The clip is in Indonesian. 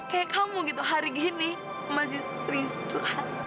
kayak kamu gitu hari gini masih sering curhat